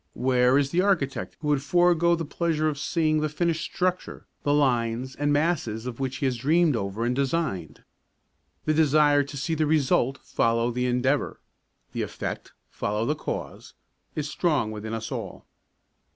Where is the architect who would forego the pleasure of seeing the finished structure, the lines and masses of which he has dreamed over and designed? The desire to see the result follow the endeavour, the effect follow the cause, is strong within us all.